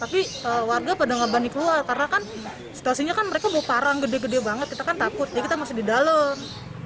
tapi warga pada ngebanding keluar karena kan situasinya kan mereka bawa parang gede gede banget kita kan takut ya kita masih di dalam